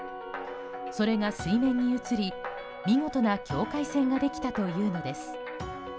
それが水面に映り見事な境界線ができたというのです。